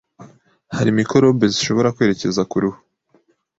hari mikorobe zishobora kwerekeza ku ruhu